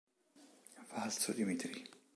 Falso Dimitri